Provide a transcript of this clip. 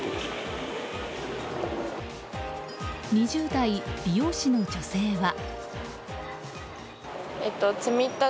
２０代美容師の女性は。